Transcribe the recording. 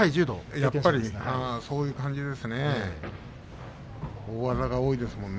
そういう感じですよね